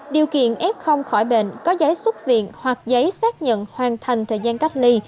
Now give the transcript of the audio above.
điều kiện f khỏi bệnh có giấy xuất viện hoặc giấy xác nhận hoàn thành thời gian cách ly